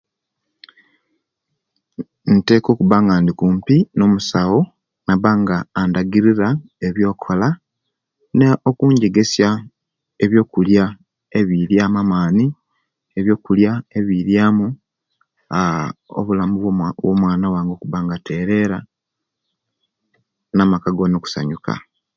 Nteeka okubanga ndi kumpi nomusawo nabanga adagirira ebyo'kukola nokujegesya ebyo'kulya ebiryamu amaani ebyo'kulya abiryamu aah obulamu bo bo mwaana wange nabanga aterera na'maka goona okusanyuka.